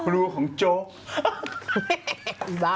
รูของโจบ้า